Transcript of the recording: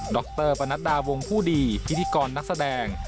รปนัดดาวงผู้ดีพิธีกรนักแสดง